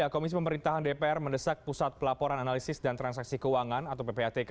komisi pemerintahan dpr mendesak pusat pelaporan analisis dan transaksi keuangan atau ppatk